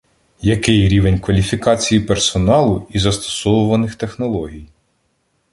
Який рівень кваліфікації персоналу і застосовуваних технологій?